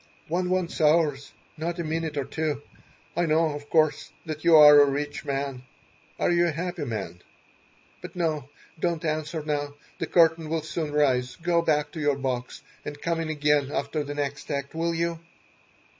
One wants hours, not a minute or two. I know, of course, that you are a rich man. Are you a happy man? But, no, don't answer now. The curtain will soon rise. Go back to your box, and come in again after the next act. Will you?"